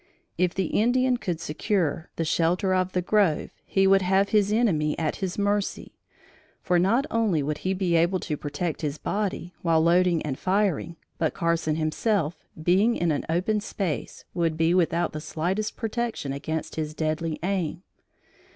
If the Indian could secure the shelter of the grove, he would have his enemy at his mercy; for not only would he be able to protect his body, while loading and firing, but Carson himself, being in an open space, would be without the slightest protection against his deadly aim.